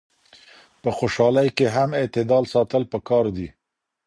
په خوشحالۍ کي هم اعتدال ساتل پکار دي.